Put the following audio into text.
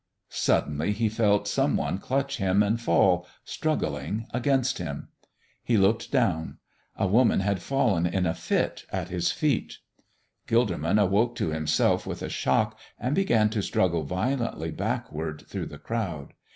Suddenly he felt some one clutch him and fall, struggling, against him. He looked down. A woman had fallen in a fit at his feet. Gilderman awoke to himself with a shock and began to struggle violently backward through the crowd.